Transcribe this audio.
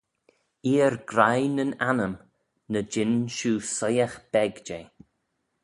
Eer graih nyn annym, ny jean shiu soieagh beg jeh.